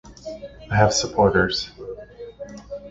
I have supporters.